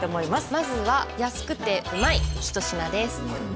まずは安くてうまい一品です